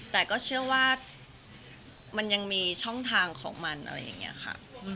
แต่ก็เชื่อว่ามันยังมีช่องทางของมันอะไรอย่างนี้ค่ะ